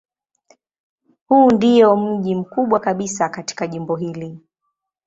Huu ndiyo mji mkubwa kabisa katika jimbo hili.